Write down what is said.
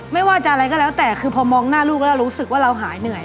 ไม่ว่าจะอะไรก็แล้วแต่คือพอมองหน้าลูกแล้วรู้สึกว่าเราหายเหนื่อย